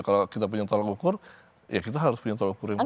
kalau kita punya tolak ukur ya kita harus punya tolak ukur yang besar